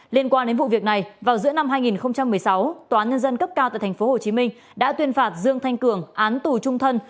liên quan đến vụ việc này vào giữa năm hai nghìn một mươi sáu tòa nhân dân cấp cao tại tp hcm đã tuyên phạt dương thanh cường án tù trung thân